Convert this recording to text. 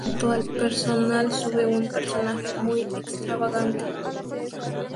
Junto al personal sube un personaje muy extravagante.